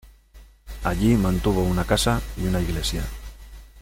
Allí mantuvo una casa y una iglesia.